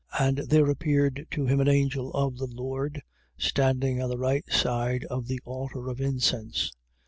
1:11. And there appeared to him an angel of the Lord, standing on the right side of the altar of incense.